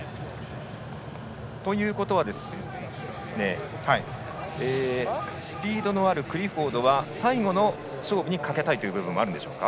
ということは、スピードのあるクリフォードは最後の勝負にかけたい部分もあるでしょうか。